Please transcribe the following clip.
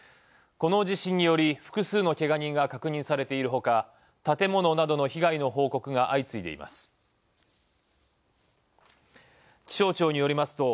この地震により、複数のけが人が確認されているほか、建物などの被害の報告が相次いでいます。